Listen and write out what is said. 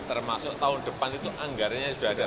termasuk tahun depan itu anggarannya sudah ada